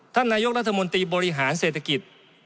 ท่านนายกรัฐมนตรีบริหารเศรษฐกิจ